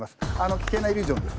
危険なイリュージョンです。